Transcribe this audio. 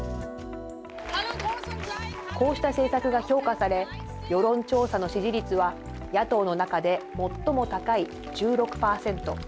こうした政策が評価され世論調査の支持率は野党の中で最も高い１６％。